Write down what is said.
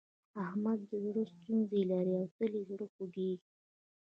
احمد د زړه ستونزې لري او تل يې زړه خوږېږي.